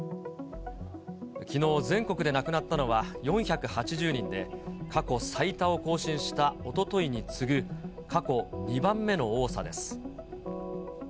きのう、全国で亡くなったのは４８０人で、過去最多を更新したおとといに次ぐ過去２番目の多さです。